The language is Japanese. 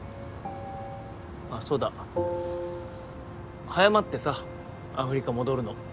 あっそうだ早まってさアフリカ戻るの。